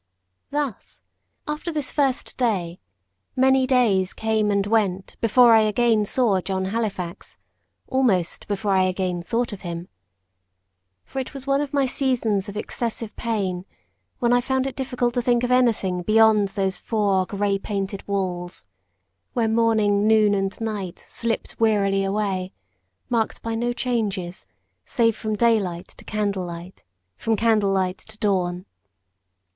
Thus, after this first day, many days came and went before I again saw John Halifax almost before I again thought of him. For it was one of my seasons of excessive pain; when I found it difficult to think of anything beyond those four grey painted walls; where morning, noon, and night slipped wearily away, marked by no changes, save from daylight to candle light, from candle light to dawn.